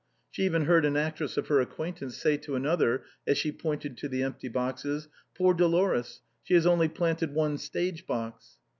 She even heard an actress of her acquaintance say to another, as she pointed to tlie empty boxes :" Poor Dolores, she has only planted one stage box."